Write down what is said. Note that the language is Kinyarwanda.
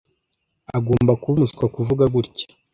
Agomba kuba umuswa kuvuga gutya.